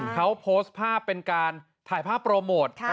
เขาโพสต์ภาพเป็นการถ่ายภาพโปรโมท